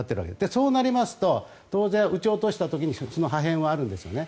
そうなりますと当然撃ち落とした時にその破片はあるんですよね。